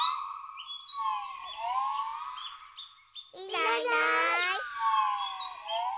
いないいない。